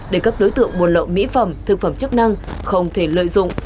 để các đối tượng buôn lậu mỹ phẩm thực phẩm chức năng không thể lợi dụng